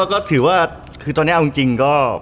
ก็ถือว่าคือตอนนี้เอาจริงก็